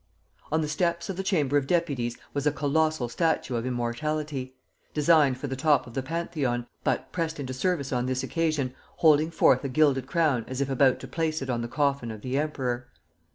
On the steps of the Chamber of Deputies was a colossal statue of Immortality, designed for the top of the Pantheon, but pressed into service on this occasion, holding forth a gilded crown as if about to place it on the coffin of the Emperor.